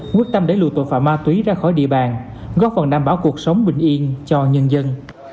quyết tâm đẩy lùi tội phạm ma túy ra khỏi địa bàn góp phần đảm bảo cuộc sống bình yên cho nhân dân